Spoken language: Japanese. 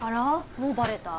もうバレた？